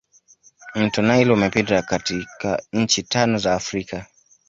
mto nile umepita katika nchi tano za africa